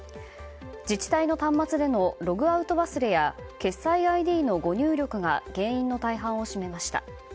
自治体の端末でのログアウト忘れや決済ＩＤの誤入力が原因の大半を占めました。